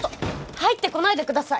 入ってこないでください！